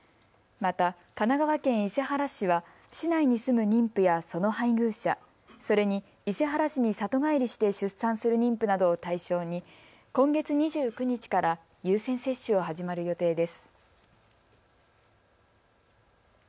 また、神奈川県伊勢原市は市内に住む妊婦やその配偶者、それに伊勢原市に里帰りして出産する妊婦などを対象に今月２９日から優先接種を始める予定です。